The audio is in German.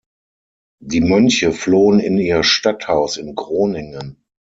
Die Mönche flohen in ihr Stadthaus in Groningen.